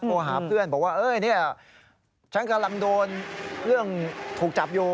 โทรหาเพื่อนบอกว่าเอ้ยเนี่ยฉันกำลังโดนเรื่องถูกจับอยู่